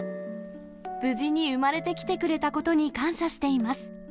無事に産まれてきてくれたことに感謝しています。